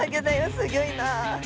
すギョいな。